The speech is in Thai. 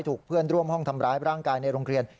ถูกเพื่อนร่วมห้องทำร้ายร่างกายในโรงเรียน